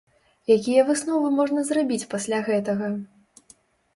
Якія высновы можна зрабіць пасля гэтага?